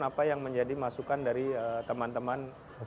apa yang menjadi masukan dari teman teman